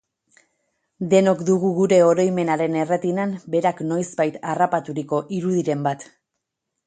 Denok dugu gure oroimenaren erretinan berak noizbait harrapaturiko irudiren bat.